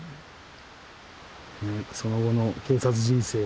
その後の警察人生